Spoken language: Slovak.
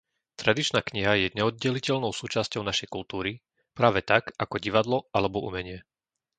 Tradičná kniha je neoddeliteľnou súčasťou našej kultúry, práve tak ako divadlo alebo umenie.